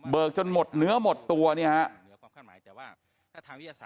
จนหมดเนื้อหมดตัวเนี่ยฮะ